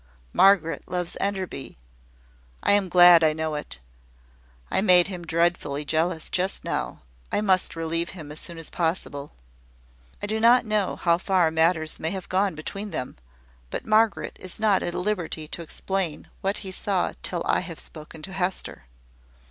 Margaret loves Enderby: I am glad I know it. I made him dreadfully jealous just now; I must relieve him as soon as possible. I do not know how far matters may have gone between them; but Margaret is not at liberty to explain what he saw till I have spoken to Hester.